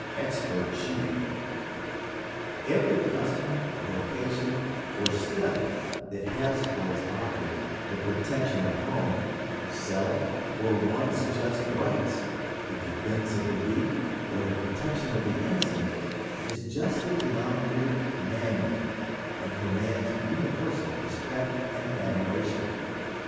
EXPERT SHOOTING. Every custom, vocation, or study that has for its object the protection of home, self, or one's just rights, the defense of the weak or the protection of the innocent, is justly denominated "manly," and commands universal respect and admiration.